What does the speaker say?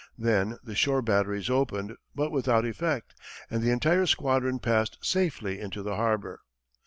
Then the shore batteries opened, but without effect, and the entire squadron passed safely into the harbor.